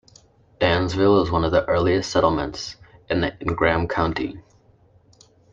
Dansville is one of the earliest settlements in Ingham County.